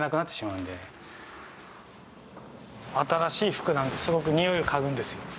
新しい服なんですごくにおいを嗅ぐんですよ。